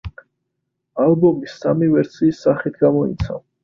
ალბომი სამი ვერსიის სახით გამოიცა.